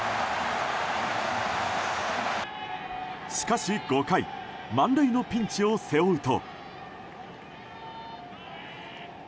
しかし５回満塁のピンチを背負うと。